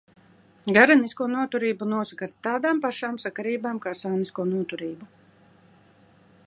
Garenisko noturību nosaka ar tādām pašām sakarībām kā sānisko noturību.